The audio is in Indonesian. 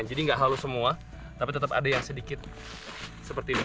jadi nggak halus semua tapi tetap ada yang sedikit seperti ini